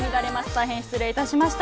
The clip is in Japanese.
大変失礼いたしました。